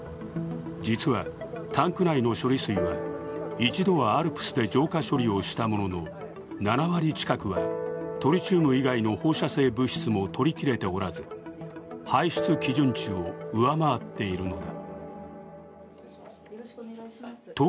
実は、タンク内の処理水は一度はＡＬＰＳで浄化処理をしたものの、７割近くはトリチウム以外の放射性物質も取りきれておらず、排出基準値を上回っているのだ。